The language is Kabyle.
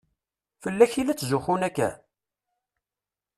Fell-ak i la tzuxxun akka?